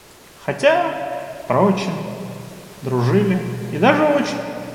Хотя, впрочем, дружили, и даже очень.